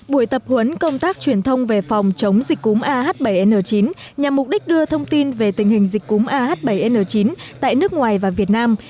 buổi tập huấn công tác truyền thông về phòng chống dịch cúm ah bảy n chín nhằm mục đích đưa thông tin về tình hình dịch cúm ah bảy n chín tại nước ngoài và việt nam